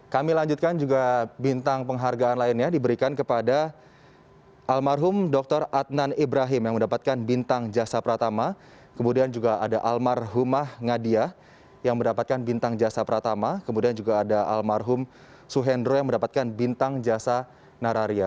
kami lanjutkan juga bintang penghargaan lainnya diberikan kepada almarhum dr adnan ibrahim yang mendapatkan bintang jasa pratama kemudian juga ada almarhumah ngadia yang mendapatkan bintang jasa pratama kemudian juga ada almarhum suhendro yang mendapatkan bintang jasa nararia